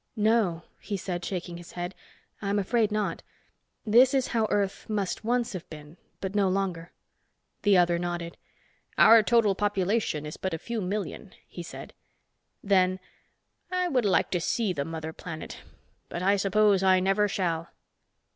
"No," he said, shaking his head. "I'm afraid not. This is how Earth must once have been. But no longer." The other nodded. "Our total population is but a few million," he said. Then, "I would like to see the mother planet, but I suppose I never shall."